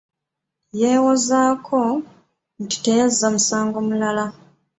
Yewozaako nti teyazza musango mulala.